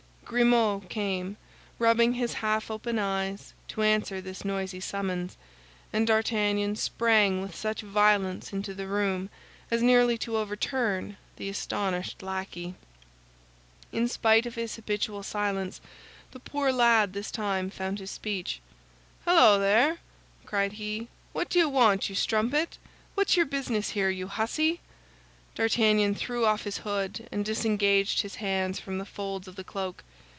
Grimaud came, rubbing his half open eyes, to answer this noisy summons, and D'Artagnan sprang with such violence into the room as nearly to overturn the astonished lackey. In spite of his habitual silence, the poor lad this time found his speech. "Holloa, there!" cried he; "what do you want, you strumpet? What's your business here, you hussy?" D'Artagnan threw off his hood, and disengaged his hands from the folds of the cloak.